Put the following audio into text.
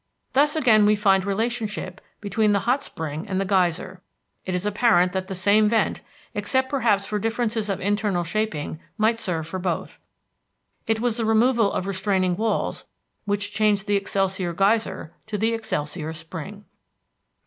Thus again we find relationship between the hot spring and the geyser; it is apparent that the same vent, except perhaps for differences of internal shaping, might serve for both. It was the removal of restraining walls which changed the Excelsior Geyser to the Excelsior Spring.